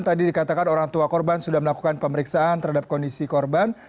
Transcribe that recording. tadi dikatakan orang tua korban sudah melakukan pemeriksaan terhadap kondisi korban